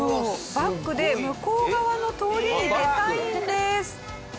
バックで向こう側の通りに出たいんです。